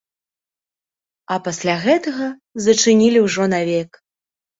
А пасля гэтага зачынілі ўжо навек.